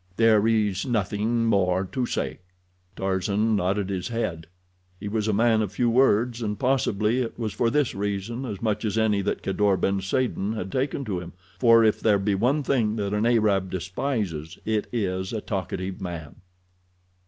There is nothing more to say." Tarzan nodded his head. He was a man of few words, and possibly it was for this reason as much as any that Kadour ben Saden had taken to him, for if there be one thing that an Arab despises it is a talkative man.